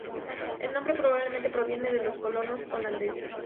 El nombre probablemente proviene de los colonos holandeses.